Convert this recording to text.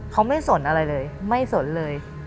เขาไม่สนอะไรเลยไม่สนเลย